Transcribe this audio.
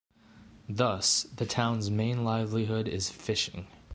Thus, the town's main livelihood is fishing.